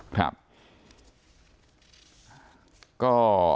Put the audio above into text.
ครับก็